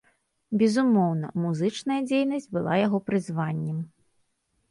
Безумоўна, музычная дзейнасць была яго прызваннем.